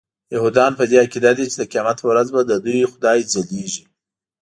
یهودان په دې عقیده دي چې د قیامت په ورځ به ددوی خدای ځلیږي.